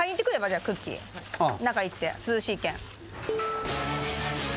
じゃクッキーああ中行って涼しいけん